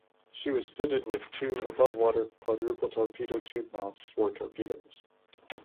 She was fitted with two above-water quadruple torpedo tube mounts for torpedoes.